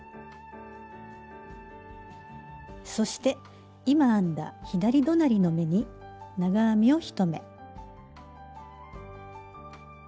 そして今編んだ左隣の目に長編みを１目。